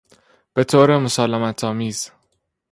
بطور مسالمت آمیز